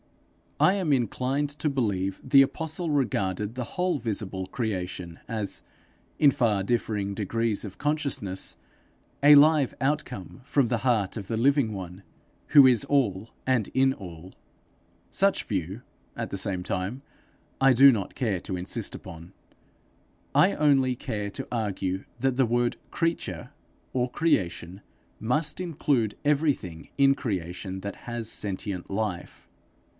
I am inclined to believe the apostle regarded the whole visible creation as, in far differing degrees of consciousness, a live outcome from the heart of the living one, who is all and in all: such view, at the same time, I do not care to insist upon; I only care to argue that the word creature or creation must include everything in creation that has sentient life.